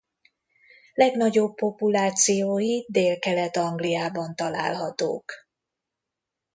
Legnagyobb populációi Délkelet-Angliában találhatók.